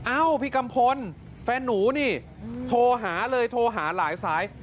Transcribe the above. เอ้าพี่กัมพลแฟนหนูนี่โทรหาเลยโทรหาหลายสาย